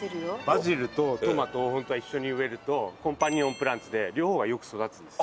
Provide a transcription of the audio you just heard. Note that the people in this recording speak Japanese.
バジルとトマトを本当は一緒に植えるとコンパニオンプランツで両方がよく育つんです。